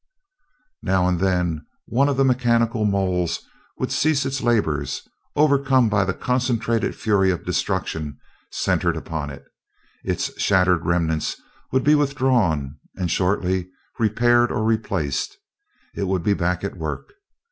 Now and then one of the mechanical moles would cease its labors, overcome by the concentrated fury of destruction centered upon it. Its shattered remnants would be withdrawn and shortly, repaired or replaced, it would be back at work.